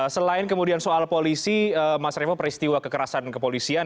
selain kemudian soal polisi mas revo peristiwa kekerasan kepolisian